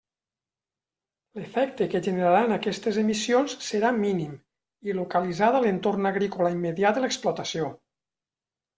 L'efecte que generaran aquestes emissions serà mínim i localitzat a l'entorn agrícola immediat de l'explotació.